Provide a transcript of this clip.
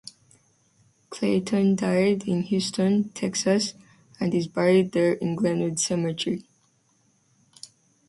Clayton died in Houston, Texas, and is buried there in Glenwood Cemetery.